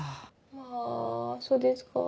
あぁそうですか。